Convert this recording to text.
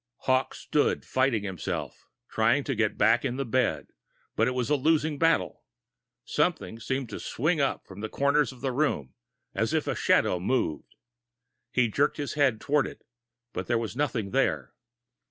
Hawkes stood fighting himself, trying to get back in the bed, but it was a losing battle. Something seemed to swing up in the corner of the room, as if a shadow moved. He jerked his head toward it, but there was nothing there.